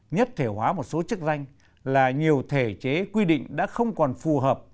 nhất thể hóa một số chức danh là nhiều thể chế quy định đã không còn phù hợp